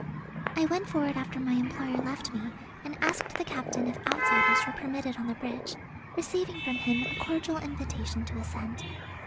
I went forward after my employer left me, and asked the captain if outsiders were permitted on the bridge, receiving from him a cordial invitation to ascend.